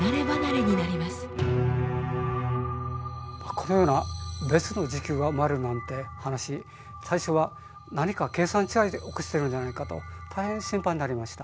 このような別の時空が生まれるなんて話最初は何か計算違いで起こしてるんじゃないかと大変心配になりました。